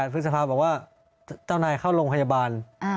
พฤษภาบอกว่าเจ้านายเข้าโรงพยาบาล